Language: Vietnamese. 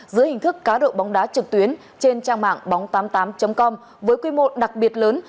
dưới hình thức cá độ bóng đá trực tuyến trên trang mạng bóng tám mươi tám com với quy mô đặc biệt lớn